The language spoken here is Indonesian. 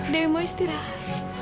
dewi mau istirahat